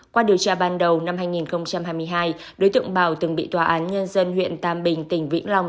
qua điều tra ban đầu năm hai nghìn hai mươi hai đối tượng bảo từng bị tòa án nhân dân huyện tam bình tỉnh vĩnh long